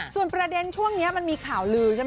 ส่วนประเด็นช่วงเนี้ยมันมีข่าวลือ